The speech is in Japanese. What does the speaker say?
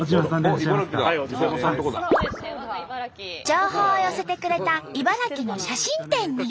情報を寄せてくれた茨城の写真店に。